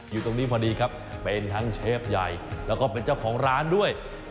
อยู่ตรงนี้พอดีครับเป็นทั้งเชฟใหญ่แล้วก็เป็นเจ้าของร้านด้วย